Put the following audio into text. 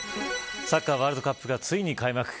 サッカーワールドカップがついに開幕。